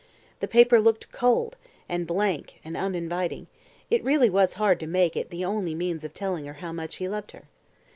The paper looked cold and blank and uninviting it really was hard to make it the only means of telling her how much he loved her.